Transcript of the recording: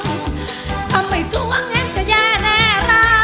ทำให้ทุ่งงั้นจะแย่แน่เรา